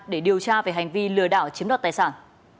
để điều tra về hành vi lừa đảo chiếm đoạt tài sản